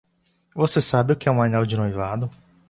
Você sabe o que é um anel de noivado?